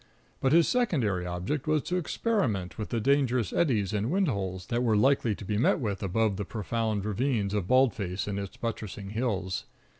But his secondary object was to experiment with the dangerous eddies and wind holes that were likely to be met with above the profound ravines of Bald Face and its buttressing hills.